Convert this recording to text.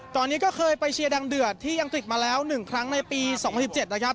ตอนนี้ก็เคยไปเชียร์ดังเดือดที่อังกฤษมาแล้ว๑ครั้งในปี๒๐๑๗นะครับ